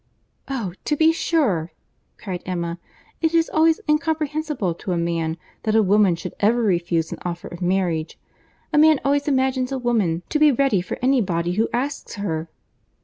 "Oh! to be sure," cried Emma, "it is always incomprehensible to a man that a woman should ever refuse an offer of marriage. A man always imagines a woman to be ready for any body who asks her."